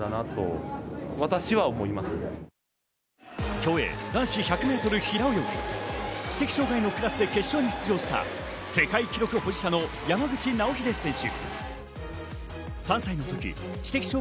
競泳男子１００ｍ平泳ぎ、知的障がいのクラスで決勝に出場した世界記録保持者の山口尚秀選手。